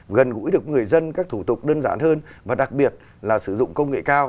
gần gũi được người dân các thủ tục đơn giản hơn và đặc biệt là sử dụng công nghệ cao